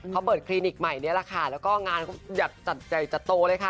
เขาเปิดคลินิกใหม่นี้แหละค่ะแล้วก็งานเขาอยากจัดใหญ่จัดโตเลยค่ะ